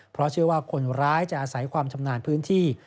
เพราะเชื่อว่าคนร้ายจะอาศัยความชำนาญพื้นที่